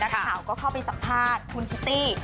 ข่าวก็เข้าไปสัมภาษณ์คุณพิตตี้